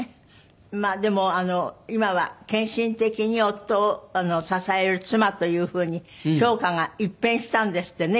まあでも今は献身的に夫を支える妻という風に評価が一変したんですってね